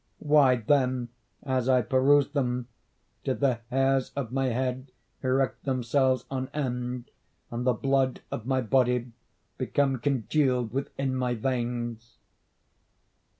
Why then, as I perused them, did the hairs of my head erect themselves on end, and the blood of my body become congealed within my veins?